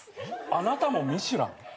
あなたもミシュラン？